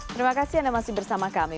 terima kasih anda masih bersama kami